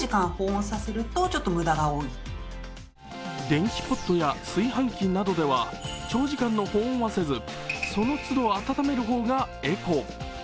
電気ポットや炊飯器などでは長時間の保温はせず、そのつど温める方がエコ。